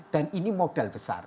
dan ini modal besar